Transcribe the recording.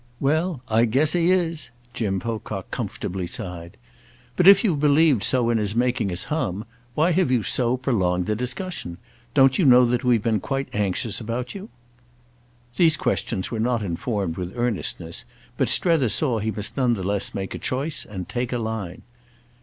"Well, I guess he is!" Jim Pocock comfortably sighed. "But if you've believed so in his making us hum, why have you so prolonged the discussion? Don't you know we've been quite anxious about you?" These questions were not informed with earnestness, but Strether saw he must none the less make a choice and take a line.